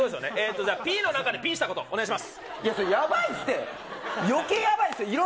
じゃあ、ピーの中でピーしたこと、お願いします。